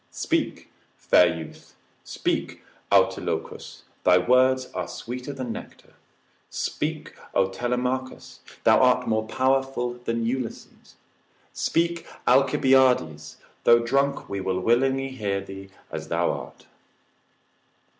Speak, fair youth, speak Autiloquus, thy words are sweeter than nectar, speak O Telemachus, thou art more powerful than Ulysses, speak Alcibiades though drunk, we will willingly hear thee as thou art.